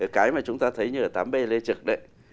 cái mà chúng ta thấy như ở tám b lê trực đấy